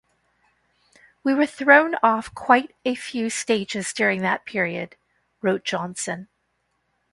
"We were thrown off quite a few stages during that period", wrote Johnson.